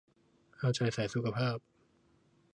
เอาใจสายสุขภาพ